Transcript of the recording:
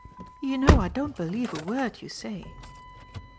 "You know I don't believe a word you say."